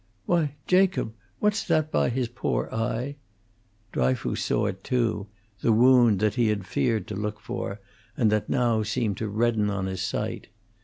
"Why, Jacob, what's that there by his pore eye?" Dryfoos saw it, too, the wound that he had feared to look for, and that now seemed to redden on his sight.